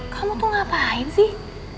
kamu tuh ngapain sih